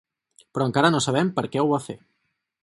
Però encara no sabem per què ho va fer.